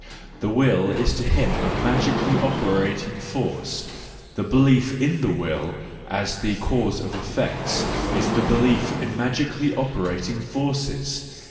The Will is to him a magically operating force; the belief in the Will as the cause of effects is the belief in magically operating forces.